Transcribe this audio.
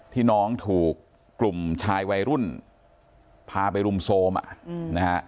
ที่น้องถูกกลุ่มชายวัยรุ่นพาไปรุมโทรมอ่ะนะฮะ